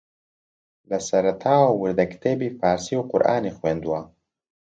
لە سەرەتاوە وردەکتێبی فارسی و قورئانی خوێندووە